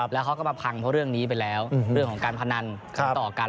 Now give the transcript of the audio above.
แล้วเขาก็มาพังเพราะเรื่องนี้ไปแล้วเรื่องของการพนันต่อกัน